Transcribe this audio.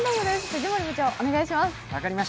藤森部長、お願いします。